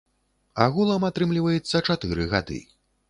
Агулам атрымліваецца чатыры гады.